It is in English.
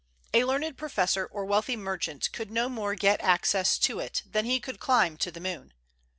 A learned professor or wealthy merchant could no more get access to it than he could climb to the moon.